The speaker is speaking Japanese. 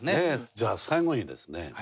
じゃあ最後にですね